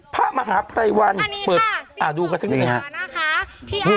พระมหาพรรยวรรณเปิดดูกันสิกันนิดนึง